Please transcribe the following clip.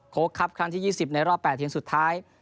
โค้คคลัฟครั้งที่๒๐ในรอบ๘เทียงสุดท้าย